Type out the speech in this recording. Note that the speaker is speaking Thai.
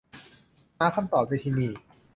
หาคำตอบได้ ที่นี่